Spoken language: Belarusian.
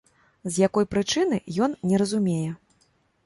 З якой прычыны, ён не разумее.